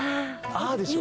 「あぁ」でしょ？